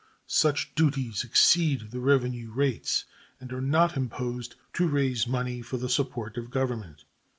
Such duties exceed the revenue rates and are not imposed to raise money for the support of Government.